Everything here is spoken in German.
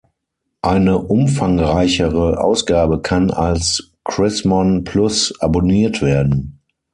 Eine umfangreichere Ausgabe kann als "Chrismon plus" abonniert werden.